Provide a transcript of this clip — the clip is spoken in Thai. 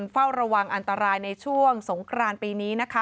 เฝ้าระวังอันตรายในช่วงสงครานปีนี้นะคะ